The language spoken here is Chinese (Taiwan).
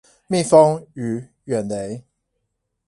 蜜蜂與遠雷